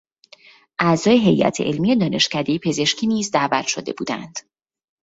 اعضا هیئت علمی دانشکدهی پزشکی نیز دعوت شده بودند.